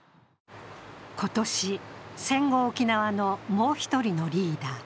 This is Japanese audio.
今年、戦後沖縄のもう一人のリーダー